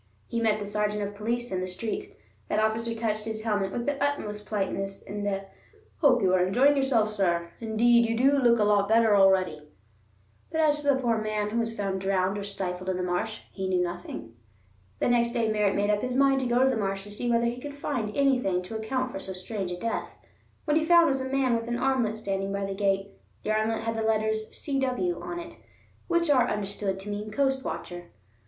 He met the sergeant of police in the street. That officer touched his helmet with the utmost politeness and a "hope you are enjoying yourself, sir; indeed you do look a lot better already"; but as to the poor man who was found drowned or stifled in the marsh, he knew nothing. The next day Merritt made up his mind to go to the marsh to see whether he could find anything to account for so strange a death. What he found was a man with an armlet standing by the gate. The armlet had the letters "C.W." on it, which are understood to mean Coast Watcher.